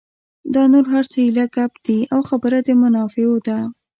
دا نور هر څه ایله ګپ دي او خبره د منافعو ده.